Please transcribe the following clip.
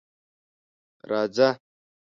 _راځه.